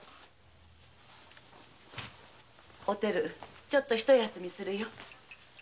おてるちょっとひと休みするよ。